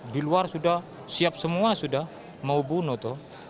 di luar sudah siap semua sudah mau bunuh tuh